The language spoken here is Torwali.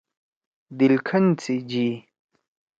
دلکھن سی جی۔